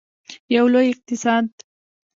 یو لوی اقتصاد.